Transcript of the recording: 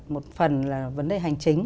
một phần là vấn đề hành chính